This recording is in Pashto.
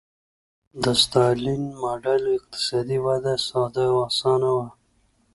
د ستالین ماډل اقتصادي وده ساده او اسانه وه.